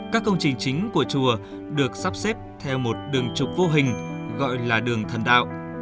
các công trình chính của chùa được sắp xếp theo một đường trục vô hình gọi là đường thần đạo